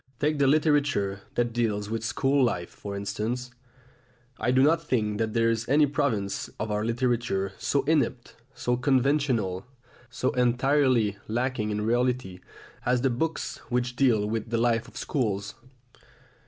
Take the literature that deals with school life, for instance. I do not think that there is any province of our literature so inept, so conventional, so entirely lacking in reality, as the books which deal with the life of schools.